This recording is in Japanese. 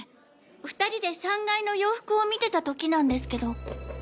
２人で３階の洋服を見てた時なんですけど。